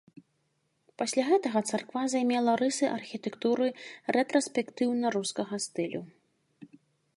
Пасля гэтага царква займела рысы архітэктуры рэтраспектыўна-рускага стылю.